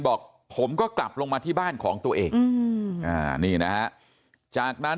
บอกผมก็กลับลงมาที่บ้านของตัวเองอืมอ่านี่นะฮะจากนั้น